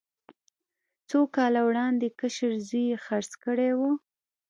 څو کاله وړاندې کشر زوی یې خرڅه کړې وه.